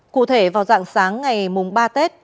cụ thể vào dạng sáng ngày mùng ba tết